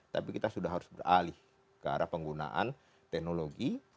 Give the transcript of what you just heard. tapi kita sudah harus beralih ke arah penggunaan teknologi